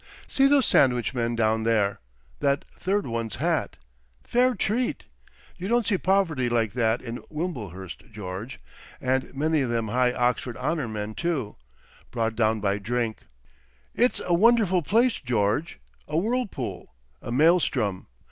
See those sandwich men down there! That third one's hat! Fair treat! You don't see poverty like that in Wimblehurst George! And many of them high Oxford honour men too. Brought down by drink! It's a wonderful place, George—a whirlpool, a maelstrom!